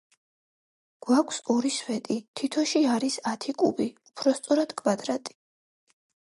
გვაქვს ორი სვეტი, თითოში არის ათი კუბი, უფრო სწორედ კვადრატი.